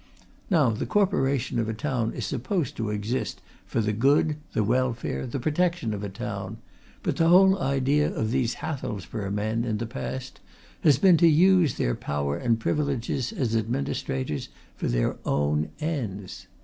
Now, the Corporation of a town is supposed to exist for the good, the welfare, the protection of a town, but the whole idea of these Hathelsborough men, in the past, has been to use their power and privileges as administrators, for their own ends.